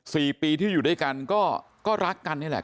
สี่ปีที่อยู่ด้วยกันก็ก็รักกันนี่แหละ